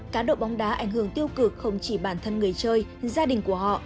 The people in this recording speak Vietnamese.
cá độ bóng đá ảnh hưởng tiêu cực không chỉ bản thân người chơi gia đình của họ